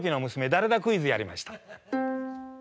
誰だクイズやりました。